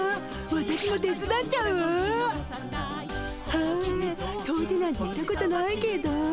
はあ掃除なんてしたことないけど。